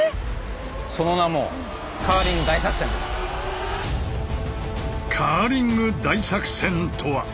その名もカーリング大作戦とは。